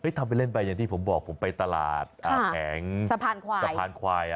เฮ้ยทำเลยเล่นแบบที่ผมบอกผมไปตลาดสะพานควาย